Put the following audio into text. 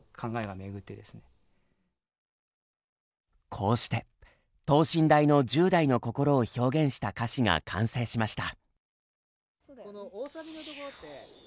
こうして等身大の１０代の心を表現した歌詞が完成しました。